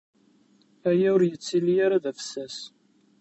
Aya ur yettili ara d afessas.